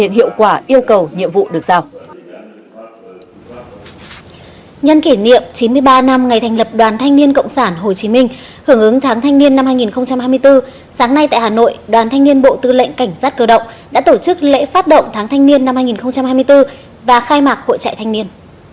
nhân kỷ niệm chín mươi ba năm ngày thành lập đoàn thanh niên cộng sản hồ chí minh hưởng ứng tháng thanh niên năm hai nghìn hai mươi bốn sáng nay tại hà nội đoàn thanh niên bộ tư lệnh cảnh sát cơ động đã tổ chức lễ phát động tháng thanh niên năm hai nghìn hai mươi bốn và khai mạc hội trại thanh niên